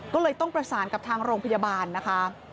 ก็เลยต้องประสานกับทางโรงพยาบาลนะคะ